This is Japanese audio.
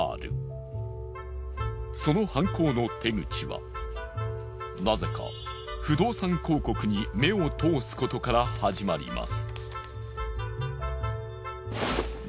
その犯行の手口はなぜか不動産広告に目を通すことから始まります。